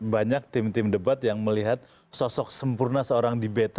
banyak tim tim debat yang melihat sosok sempurna seorang debata